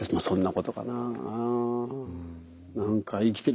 そんなことかなあ。